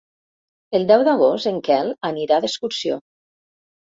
El deu d'agost en Quel anirà d'excursió.